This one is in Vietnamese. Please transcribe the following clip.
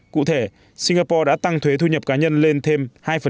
cụ thể singapore đã tăng thuế thu nhập cá nhân lên thêm hai